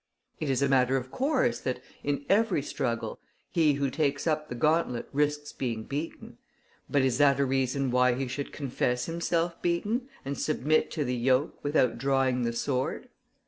It is a matter of course that, in every struggle, he who takes up the gauntlet risks being beaten; but is that a reason why he should confess himself beaten, and submit to the yoke without drawing the sword?